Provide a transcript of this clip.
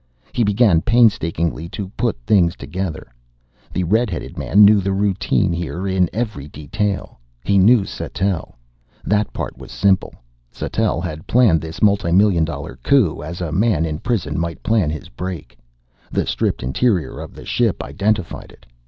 He began painstakingly to put things together. The red headed man knew the routine here in every detail. He knew Sattell. That part was simple. Sattell had planned this multi million dollar coup, as a man in prison might plan his break. The stripped interior of the ship identified it.